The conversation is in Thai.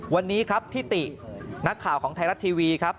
วันนี้ครับพี่ตินักข่าวของไทยรัฐทีวีครับ